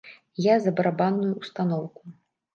Я за барабанную ўстаноўку.